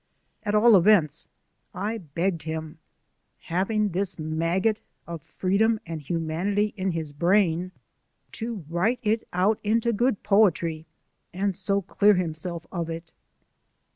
At all events, I begged him, having this maggot of Freedom and Humanity in his brain, to write it out into good poetry and so clear himself of 1838] THOREAU. PROPERTY 129 it.